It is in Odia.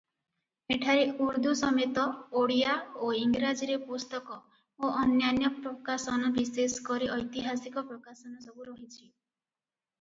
ଏଠାରେ ଉର୍ଦ୍ଦୁ ସମେତ ଓଡ଼ିଆ ଓ ଇଂରାଜୀରେ ପୁସ୍ତକ ଓ ଅନ୍ୟାନ୍ୟ ପ୍ରକାଶନ ବିଶେଷ କରି ଐତିହାସିକ ପ୍ରକାଶନସବୁ ରହିଛି ।